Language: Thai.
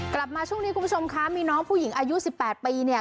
กลับมาช่วงนี้คุณผู้ชมคะมีน้องผู้หญิงอายุสิบแปดปีเนี่ย